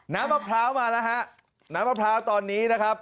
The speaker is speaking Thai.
มะพร้าวมาแล้วฮะน้ำมะพร้าวตอนนี้นะครับ